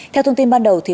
theo thông tin ban đầu